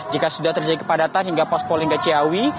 jika sudah terjadi kepadatan hingga pos pol lingga siawi